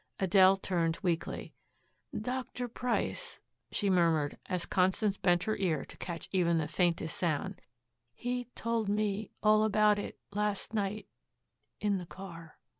Adele turned weakly. "Dr. Price," she murmured as Constance bent her ear to catch even the faintest sound. "He told me all about it last night in the car."